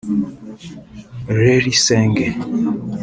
Larry Sanger